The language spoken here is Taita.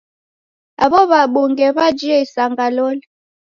Aw'o w'abunge w'ajie isanga loli!